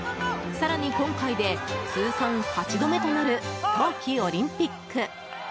更に今回で通算８度目となる冬季オリンピック。